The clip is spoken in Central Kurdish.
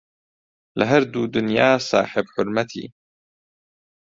لە هەردوو دونیا ساحێب حورمەتی